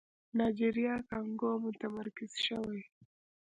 نایجيريا کانګو متمرکز شوی.